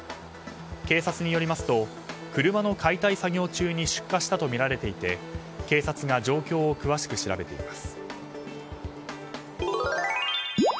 警察によりますと車の解体作業中に出火したとみられていて警察が状況を詳しく調べています。